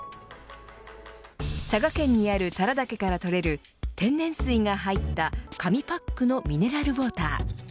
佐賀県にある多良岳から取れる天然水が入った紙パックのミネラルウォーター。